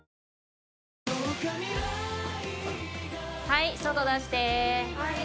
はい外出して。